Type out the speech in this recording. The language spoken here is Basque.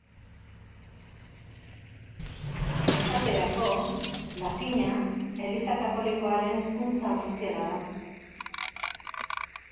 Esaterako, latina Eliza Katolikoaren hizkuntza ofiziala da.